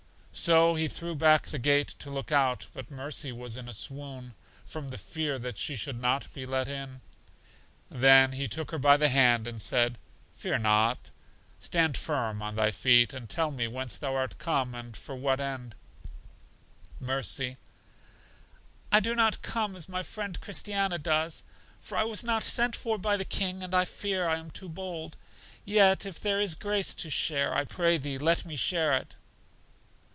So He threw back the gate to look out, but Mercy was in a swoon, from the fear that she should not be let in. Then He took her by the hand and said, Fear not; stand firm on thy feet, and tell me whence thou art come, and for what end? Mercy: I do not come as my friend Christiana does, for I was not sent for by the King, and I fear I am too bold. Yet if there is grace to share, I pray Thee let me share it.